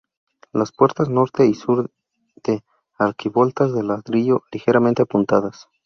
Las puertas norte y sur de arquivoltas de ladrillo ligeramente apuntadas.